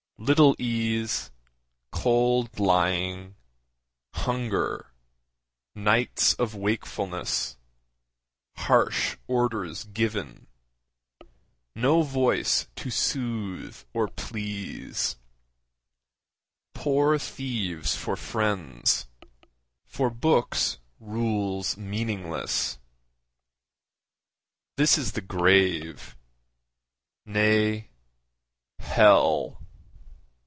Little ease, Cold lying, hunger, nights of wakefulness, Harsh orders given, no voice to soothe or please, Poor thieves for friends, for books rules meaningless; This is the grave nay, hell.